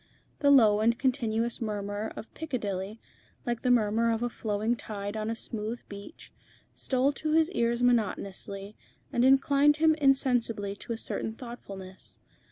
The low and continuous murmur of Piccadilly, like the murmur of a flowing tide on a smooth beach, stole to his ears monotonously, and inclined him insensibly to a certain thoughtfulness.